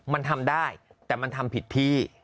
มันทำได้แต่มันทำผิดพี่